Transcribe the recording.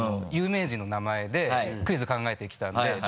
有名人の名前でクイズ考えてきたので。